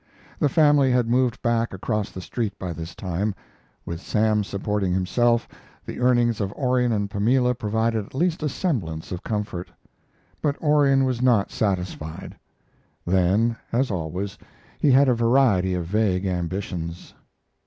The family had moved back across the street by this time. With Sam supporting himself, the earnings of Orion and Pamela provided at least a semblance of comfort. But Orion was not satisfied. Then, as always, he had a variety of vague ambitions.